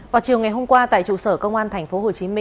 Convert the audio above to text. vào chiều ngày hôm qua tại trụ sở công an tp hcm